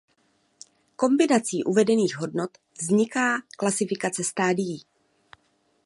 Kombinací uvedených hodnot vzniká klasifikace stadií.